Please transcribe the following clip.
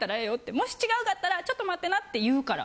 もし違うかったらちょっと待ってなって言うから。